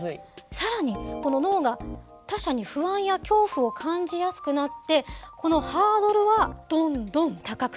更に脳が他者に不安や恐怖を感じやすくなってこのハードルはどんどん高くなってしまったと。